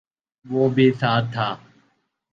وہ بھی ساتھ تھا